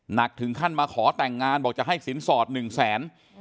หนักถึงขั้นมาขอแต่งงานบอกจะให้สินสอด๑แสน